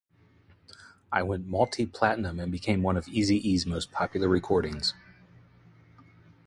It went multi-platinum and became one of Eazy-E's most popular recordings.